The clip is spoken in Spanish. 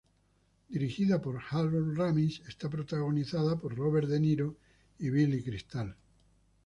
Dirigida por Harold Ramis, está protagonizada por Robert De Niro y Billy Crystal.